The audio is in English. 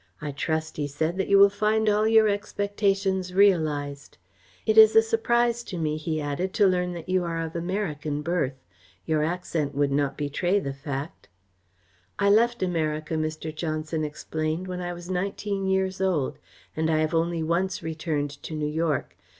"I trust," he said, "that you will find all your expectations realised. It is a surprise to me," he added, "to learn that you are of American birth. Your accent would not betray the fact." "I left America," Mr. Johnson explained, "when I was nineteen years old, and I have only once returned to New York.